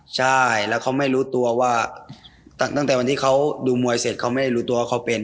ใช่แล้วเขาไม่รู้ตัวว่าตั้งแต่วันที่เขาดูมวยเสร็จเขาไม่ได้รู้ตัวว่าเขาเป็น